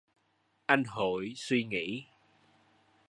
Anh Hội suy nghĩ